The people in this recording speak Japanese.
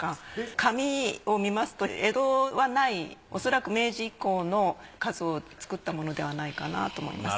紙を見ますと江戸はない恐らく明治以降の数を作ったものではないかなと思います。